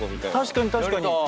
確かに確かに。